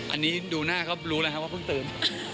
อันนี้ดูหน้าก็รู้แล้วครับว่าเพิ่งตื่น